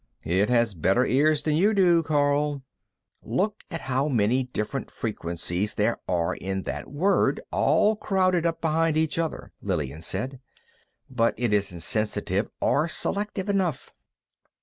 "It has better ears than you do, Karl. Look how many different frequencies there are in that word, all crowding up behind each other," Lillian said. "But it isn't sensitive or selective enough.